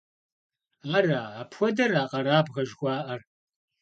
Ара, апхуэдэра къэрабгъэ жыхуаӀэр?